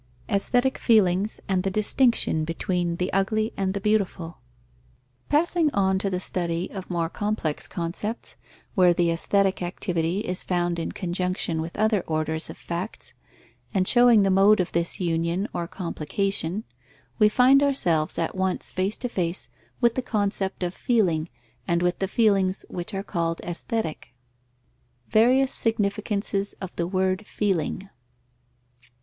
X AESTHETIC FEELINGS AND THE DISTINCTION BETWEEN THE UGLY AND THE BEAUTIFUL Passing on to the study of more complex concepts, where the aesthetic activity is found in conjunction with other orders of facts, and showing the mode of this union or complication, we find ourselves at once face to face with the concept of feeling and with the feelings which are called aesthetic. _Various significances of the word feeling.